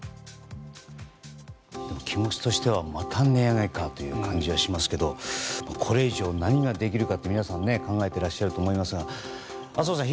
気持ちとしてはまた値上がりかという感じがしますけれどもこれ以上何ができるかって皆さん、考えてらっしゃると思いますが、浅尾さん